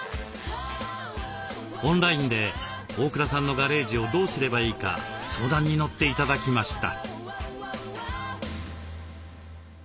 オンラインで大倉さんのガレージをどうすればいいか相談に乗って頂きました。